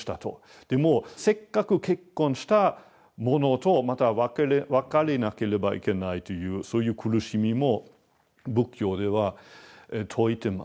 でもせっかく結婚した者とまた別れなければいけないというそういう苦しみも仏教では説いてます。